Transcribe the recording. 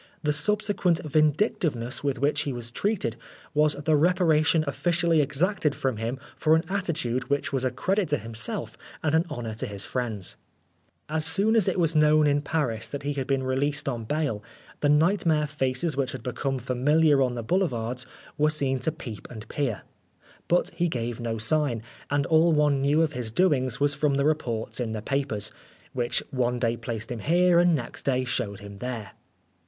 The subsequent vindictiveness with which he was treated, was the reparation officially exacted from him for an attitude which was a credit to himself and an honour to his friends. As soon as it was known in Paris that he had been released on bail, the nightmare faces which had become familiar on the boulevards were seen to peep and peer. But he gave no sign, and all one knew of his doings was from the reports in the papers, which one day placed him here, and next day showed him there.